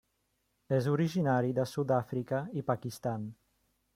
És originari de Sud-àfrica i Pakistan.